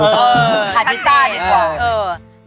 เออขาดใจก่อน